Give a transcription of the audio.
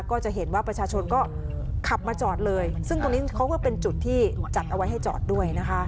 ก็จะเห็นว่าประชาชนก็ขับมาจอดเลยซึ่งตรงนี้เขาก็เป็นจุดที่จัดเอาไว้ให้จอดด้วยนะคะ